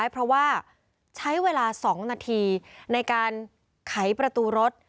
เพราะว่าใช้เวลา๒นาทีในการไขประตูรถ